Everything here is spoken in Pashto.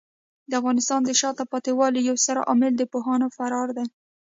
د افغانستان د شاته پاتې والي یو ستر عامل د پوهانو فرار دی.